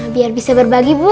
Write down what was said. biar bisa berbagi bu